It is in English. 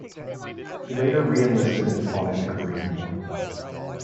He later re-enlisted and fought in the Korean War.